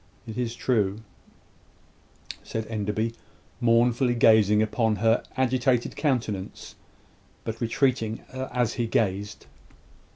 "It is true," said Enderby, mournfully gazing upon her agitated countenance, but retreating as he gazed.